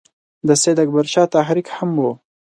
د سید اکبر شاه تحریک هم وو.